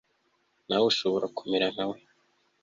nawe ushobora kumera nka we